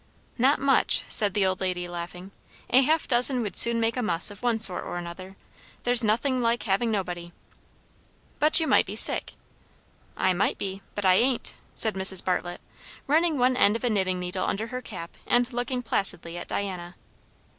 "Not much," said the old lady, laughing. "A half dozen would soon make a muss, of one sort or another. There's nothin' like having nobody." "But you might be sick." "I might be; but I ain't," said Mrs. Bartlett, running one end of a knitting needle under her cap and looking placidly at Diana.